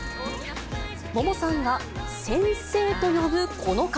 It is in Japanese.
ＭＯＭＯさんが先生と呼ぶこの方。